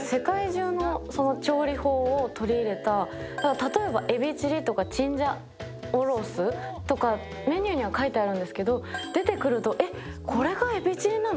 例えばえびチリとかチンジャオロースーとかメニューには書いてあるんですけど、出てくるとえっこれがエビチリなの？